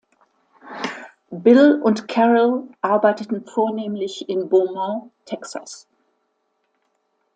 Bill und Carroll arbeiteten vornehmlich in Beaumont, Texas.